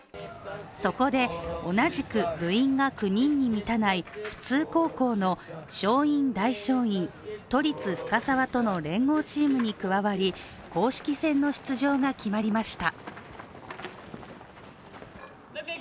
そこで同じく部員が９人に満たない普通高校の松蔭大松蔭、都立深沢との連合チームに加わり、公式戦の出場が決まりました。